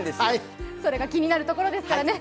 それが気になるところですからね。